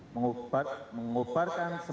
mengubarkan semangat mengubarkan ide